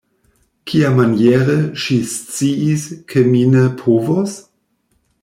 Kiamaniere ŝi sciis, ke mi ne povos?